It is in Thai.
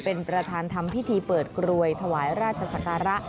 เป็นประธานทำพิธีเปิดกรวยถวายราชศักระ